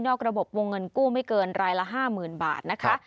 ระบบวงเงินกู้ไม่เกินรายละ๕๐๐๐บาทนะคะ